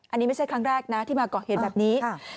อันนี้ไม่ใช่ครั้งแรกนะที่มาเกาะเหตุแบบนี้